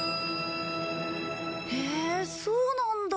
へえそうなんだ。